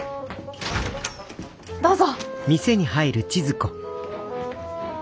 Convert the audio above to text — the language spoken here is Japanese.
どうぞ！